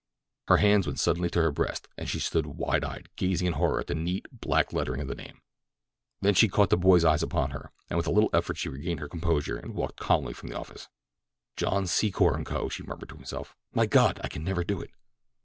Her hands went suddenly to her breast as she stood wide eyed, gazing in horror at the neat, black lettering of the name. Then she caught the boy's eyes upon her, and with a little effort she regained her composure and walked calmly from the office. "John Secor & Co.!" she murmured to herself. "My God, I can never do it!"